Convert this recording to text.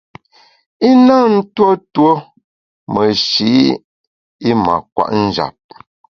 I na ntuo tuo meshi’ i mâ kwet njap.